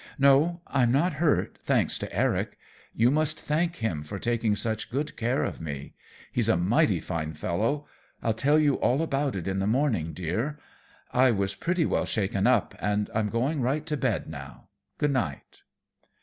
"No, I'm not hurt, thanks to Eric. You must thank him for taking such good care of me. He's a mighty fine fellow. I'll tell you all about it in the morning, dear. I was pretty well shaken up and I'm going right to bed now. Good night."